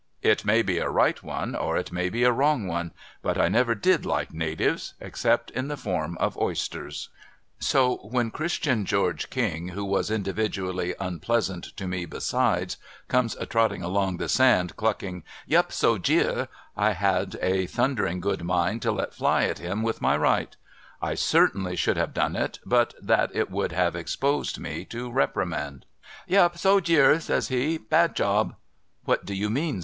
It may be a right one or it may be a wrong one; but, I never did like Natives, except in the form of oysters. 150 PERILS OK Cl'lR'lAlN ENGLISH PRISONERS So, wlicn Christian George King, who was individually unpleasant to nic besides, conies a trotting along the sand, clucking, ' Yup, So Jeer !' I had a thundering good mind to let tly at him with my right. I certainly sliould have done it, but that it would have exposed mc to reprimand, ' Yup, So Jecr !' says he. ' Bad job.' ' What do you mean